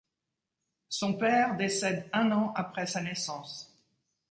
Son père décède un an après sa naissance.